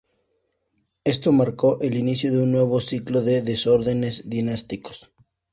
Esto marcó el inicio de un nuevo ciclo de desórdenes dinásticos.